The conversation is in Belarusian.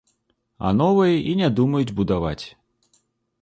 А новай і не думаюць будаваць.